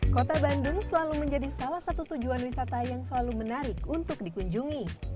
kota bandung selalu menjadi salah satu tujuan wisata yang selalu menarik untuk dikunjungi